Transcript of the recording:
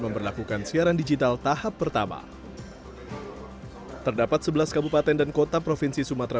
memperlakukan siaran digital tahap pertama terdapat sebelas kabupaten dan kota provinsi sumatera